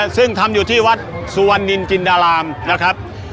ซึ่งทำอยู่ที่วัดสุวรรณนินจินดารามนะครับ